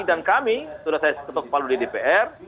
dan kami sudah saya seketuk palu di dpr